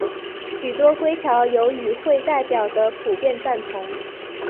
许多规条有与会代表的普遍赞同。